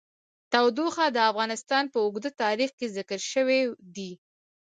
تودوخه د افغانستان په اوږده تاریخ کې ذکر شوی دی.